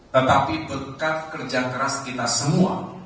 tetapi berkat kerja keras kita semua